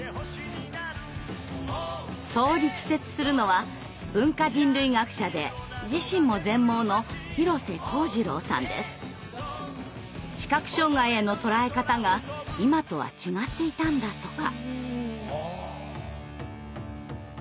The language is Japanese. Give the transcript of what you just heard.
そう力説するのは文化人類学者で自身も全盲の視覚障害への捉え方が今とは違っていたんだとか。